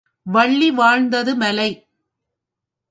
வள்ளி வாழ்ந்தது மலை.